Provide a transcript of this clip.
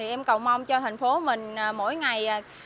em cầu mong cho thành phố mình mỗi ngày